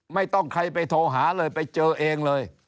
ไม่ต้องใครไปโทรหาเลยไปเจอเองเลย